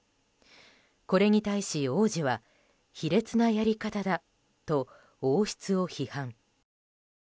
これに対し、王子は卑劣なやり方だと王室を批判。